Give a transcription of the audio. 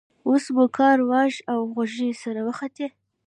اوس مو کار واښ او غوزی سره وختی.